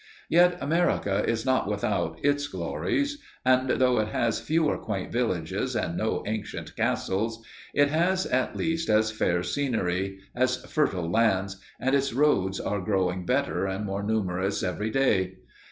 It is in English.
Yet America is not without its glories. And though it has fewer quaint villages and no ancient castles, it has at least as fair scenery, as fertile lands, and its roads are growing better and more numerous every day.